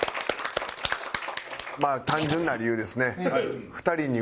まあ単純な理由ですね。